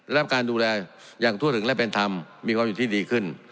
รับการดูแลอย่างทั่วถึงและเป็นธรรมมีความอยู่ที่ดีขึ้น